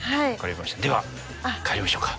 では帰りましょうか。